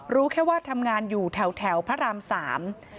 รู้แค่ว่าทำงานอยู่แถวแถวพระรามสาม